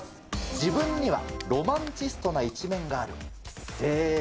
自分にはロマンチストな一面がある。